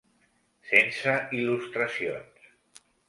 Sense il·lustracions.